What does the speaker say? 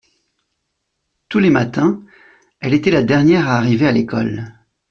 Tous les matins elle était la dernière à arriver à l’école.